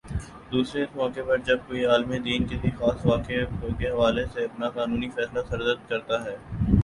دوسرے اس موقع پر جب کوئی عالمِ دین کسی خاص واقعے کے حوالے سے اپنا قانونی فیصلہ صادر کرتا ہے